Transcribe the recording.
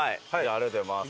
ありがとうございます。